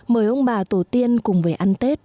mời ông bà tổ tiên cùng về ăn tết